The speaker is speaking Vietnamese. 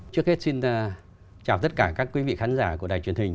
trước hết xin chào tất cả các quý vị khán giả của đài truyền hình